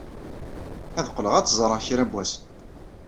Ad qqleɣ ad tt-ẓreɣ kra n wass.